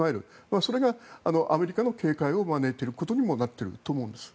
それがアメリカの警戒を招いていることにもなっていると思うんです。